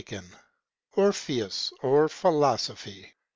—ORPHEUS, OR PHILOSOPHY.